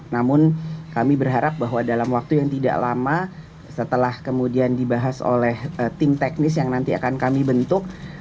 namun kami berharap bahwa dalam waktu yang tidak lama setelah kemudian dibahas oleh tim teknis yang nanti akan kami bentuk